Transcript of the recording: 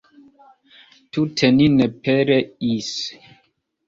Tute ni ne pereis!